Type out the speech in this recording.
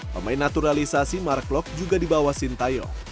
pemain naturalisasi mark klok juga dibawah sintayong